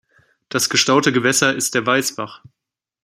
Das gestaute Gewässer ist der Weißbach.